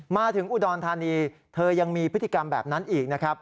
มาถึงอุดรธานีเธอยังมีพฤติกรรมแบบนั้นอีกนะครับ